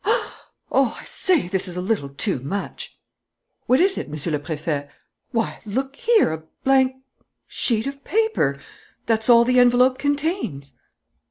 "Oh, I say, this is a little too much!" "What is it, Monsieur le Préfet?" "Why, look here, a blank ... sheet of paper! That's all the envelope contains!"